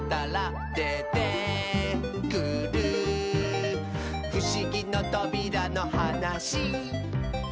「でてくるふしぎのとびらのはなし」